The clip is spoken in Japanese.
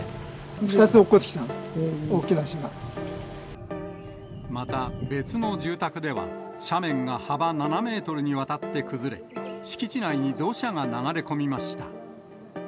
２つおっこってきたの、また、別の住宅では斜面が幅７メートルにわたって崩れ、敷地内に土砂が流れ込みました。